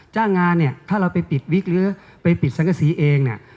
จ้างงานเนี่ยถ้าเราไปปิดวิกหรือไปปิดสังกษีเองเนี่ย